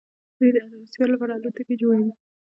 دوی د اتموسفیر لپاره الوتکې جوړوي.